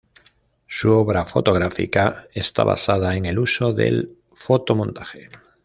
Su obra fotográfica está basada en el uso del fotomontaje.